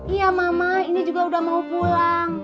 iya mama ini juga udah mau pulang